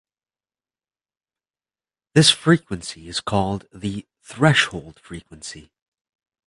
This frequency is called the "threshold frequency".